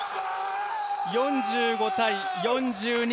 ４５対４２。